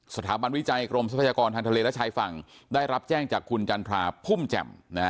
สถาบันวิจัยกรมทรัพยากรทางทะเลและชายฝั่งได้รับแจ้งจากคุณจันทราพุ่มแจ่ม